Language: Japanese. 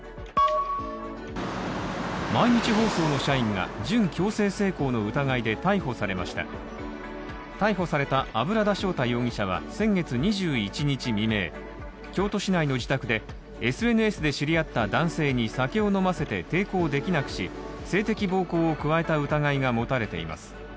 毎日放送の社員が準強制性交の疑いで逮捕された油田昇太容疑者は、先月２１日未明、京都市内の自宅でＳＮＳで知り合った男性に酒を飲ませて抵抗できなくし、性的暴行を加えた疑いが持たれています。